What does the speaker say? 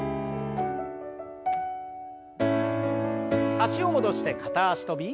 脚を戻して片脚跳び。